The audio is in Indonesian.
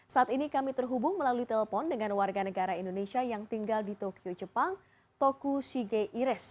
saat ini kami terhubung melalui telepon dengan warga negara indonesia yang tinggal di tokyo jepang toku shige ires